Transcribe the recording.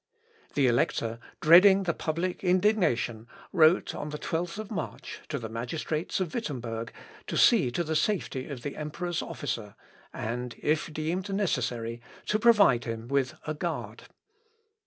The Elector, dreading the public indignation, wrote, on the 12th March, to the magistrates of Wittemberg to see to the safety of the emperor's officer, and, if deemed necessary, to provide him with a guard.